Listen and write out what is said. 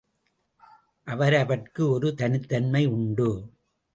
அவரவர்க்கு ஒரு தனித்தன்மை உண்டு.